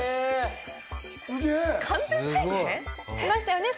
しましたよね？